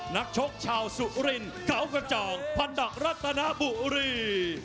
นักชกชาวสุรินเขากระจ่างพันดักรัตนบุรี